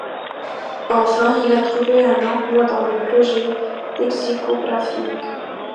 Enfin il a trouvé un emploi dans le projet lexicographique.